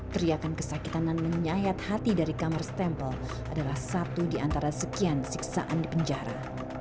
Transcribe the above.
teriakan kesakitan dan menyayat hati dari kamar stempel adalah satu di antara sekian siksaan di penjara